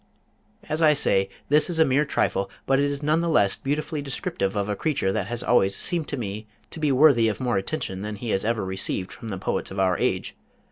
As I say, this is mere a trifle, but it is none the less beautifully descriptive of a creature that has always seemed to me to be worthy of more attention than he has ever received from the poets of our age.